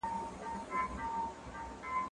زدکړه د ښوونکي له خوا ښوول کيږي؟